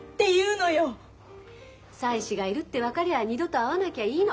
妻子がいるって分かりゃ二度と会わなきゃいいの。